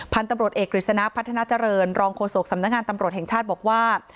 พันธุ์ตำรวจเอกกฤษณะพัฒนาเจริญรองโฆษกสำนักงานตำรวจแห่งชาติบอกว่า